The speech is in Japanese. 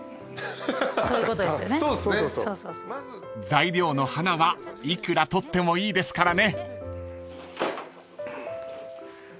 ［材料の花はいくら取ってもいいですからね］